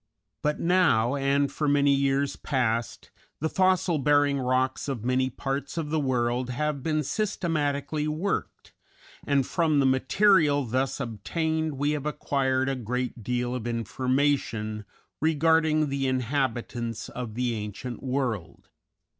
But now, and for many years past, the fossil bearing rocks of many parts of the world have been systematically worked, and from the material thus obtained we have acquired a great deal of information regarding the inhabitants of the ancient world.